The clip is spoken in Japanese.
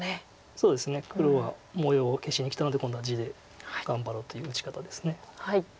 そうですね黒は模様を消しにきたので今度は地で頑張ろうという打ち方です。